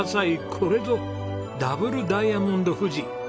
これぞダブルダイヤモンド富士。